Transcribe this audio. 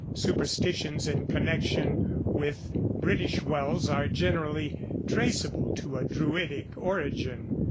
Superstitions in connection with British wells are generally traceable to a Druidic origin.